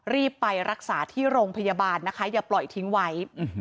รีบไปรักษาที่โรงพยาบาลนะคะอย่าปล่อยทิ้งไว้